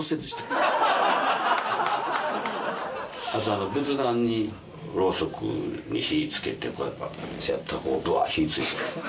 あと仏壇にろうそくに火付けてこうやってやったらブワ火付いて。